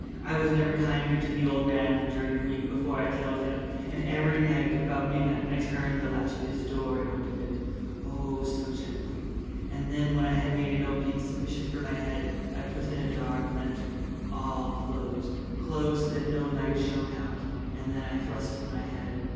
I was never kinder to the old man than during the whole week before I killed him. And every night, about midnight, I turned the latch of his door and opened it—oh, so gently! And then, when I had made an opening sufficient for my head, I put in a dark lantern, all closed, closed, that no light shone out, and then I thrust in my head.